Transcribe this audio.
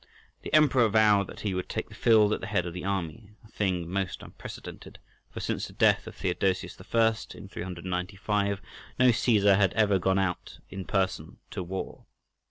The Emperor vowed that he would take the field at the head of the army—a thing most unprecedented, for since the death of Theodosius I., in 395, no Caesar had ever gone out in person to war.